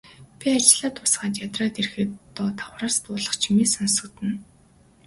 Би ажлаа дуусгаад ядраад ирэхэд доод давхраас дуулах чимээ сонсогдоно.